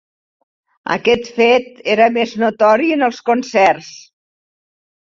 Aquest fet era més notori en els concerts.